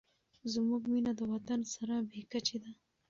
زموږ مینه د وطن سره بې کچې ده.